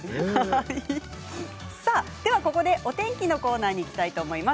ここでお天気のコーナーにいきたいと思います。